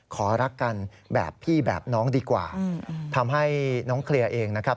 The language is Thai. ขอรักกันแบบพี่แบบน้องดีกว่าทำให้น้องเคลียร์เองนะครับ